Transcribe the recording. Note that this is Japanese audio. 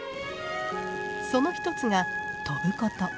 その一つが飛ぶこと。